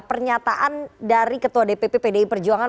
pernyataan dari ketua dpp pdi perjuangan